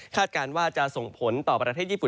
การว่าจะส่งผลต่อประเทศญี่ปุ่น